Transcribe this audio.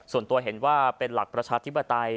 ส่วนตัวเห็นว่าเป็นหลักประชาธิปไตย